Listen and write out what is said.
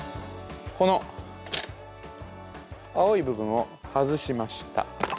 この青い部分を外しました。